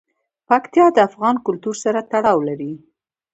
پکتیا د افغان کلتور سره تړاو لري.